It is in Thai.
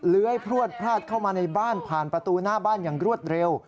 เลื้อยพลวดพลาดเข้ามาในบ้านผ่านประตูหน้าบ้านอย่างรวดเร็ว